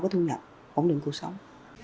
có thu nhập ổn định cuộc sống